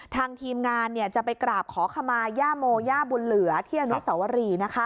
ทางทีมงานจะไปกราบขอขมาย่าโมย่าบุญเหลือที่อนุสวรี